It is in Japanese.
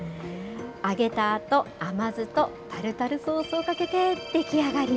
揚げたあと、甘酢とタルタルソースをかけて出来上がり。